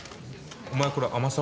お前これ甘さは。